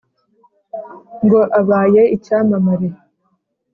ngo abaye icyamamare